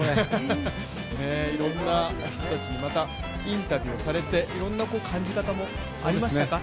いろんな人たちにまたインタビューされて、いろんな感じ方もありましたか？